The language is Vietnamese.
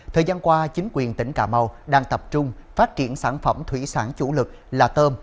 thời gian qua chính quyền tỉnh cà mau đang tập trung phát triển sản phẩm thủy sản chủ lực là tôm